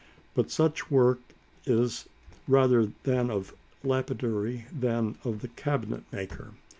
But such work is rather that of the lapidary than of the cabinetmaker.